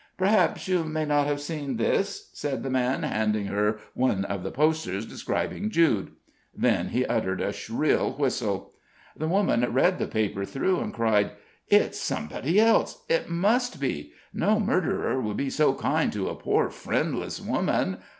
"Perhaps you may not have seen this?" said the man handing her one of the posters describing Jude. Then he uttered a shrill whistle. The woman read the paper through, and cried: "It's somebody else it must be no murderer would be so kind to a poor, friendless woman.